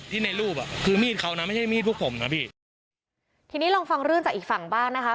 ในรูปอ่ะคือมีดเขานะไม่ใช่มีดพวกผมนะพี่ทีนี้ลองฟังเรื่องจากอีกฝั่งบ้างนะคะ